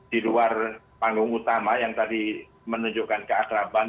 di luar panggung utama yang tadi menunjukkan keakraban